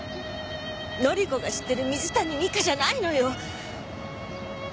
乃里子が知ってる水谷美香じゃないのよ。